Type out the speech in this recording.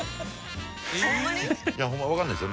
いやホンマわかんないですよ